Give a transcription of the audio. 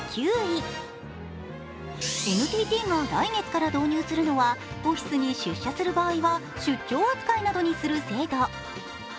ＮＴＴが来月から導入するのはオフィスに出社する場合は出張扱いなどにする制度。